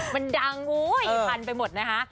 มันดังโอ้ยพันไปหมดนะคะ